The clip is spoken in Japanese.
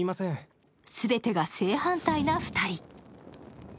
全てが正反対な２人。